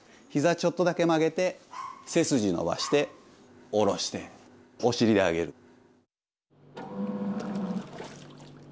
ひざちょっとだけ曲げて背筋伸ばして下ろしてお尻で上げる。